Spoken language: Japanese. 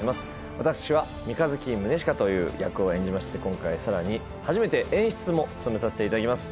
私は三日月宗近という役を演じまして今回さらに初めて演出も務めさせていただきます